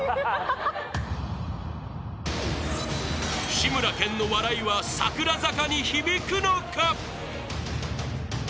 ［志村けんの笑いは櫻坂に響くのか？］